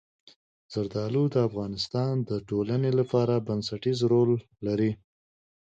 زردالو د افغانستان د ټولنې لپاره بنسټيز رول لري.